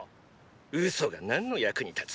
嘘が何の役に立つ。